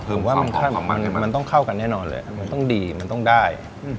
ผมว่ามันต้องเข้ากันแน่นอนเลยมันต้องดีมันต้องได้